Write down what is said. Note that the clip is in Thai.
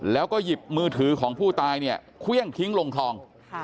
แล้วก็หยิบมือถือของผู้ตายเนี่ยเครื่องทิ้งลงคลอง